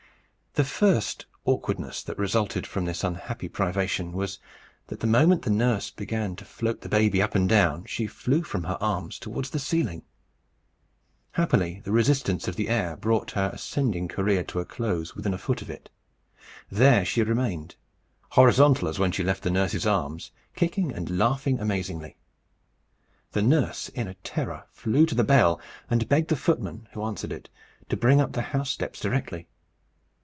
The first awkwardness that resulted from this unhappy privation was, that the moment the nurse began to float the baby up and down, she flew from her arms towards the ceiling. Happily, the resistance of the air brought her ascending career to a close within a foot of it. There she remained, horizontal as when she left her nurse's arms, kicking and laughing amazingly. The nurse in terror flew to the bell, and begged the footman, who answered it, to bring up the house steps directly.